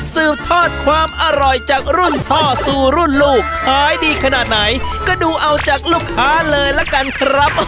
สืบทอดความอร่อยจากรุ่นพ่อสู่รุ่นลูกขายดีขนาดไหนก็ดูเอาจากลูกค้าเลยละกันครับ